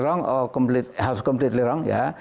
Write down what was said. salah sekali atau salah sekali ya